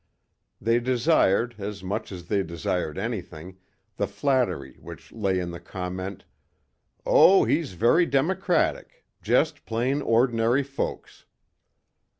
They desired, as much as they desired anything, the flattery which lay in the comment, "Oh, he's very democratic. Just plain ordinary folks."